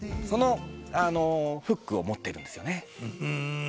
そのフックを持ってるんですよね。